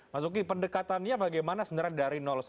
mas uki pendekatannya bagaimana sebenarnya dari satu